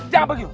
jangan pergi lo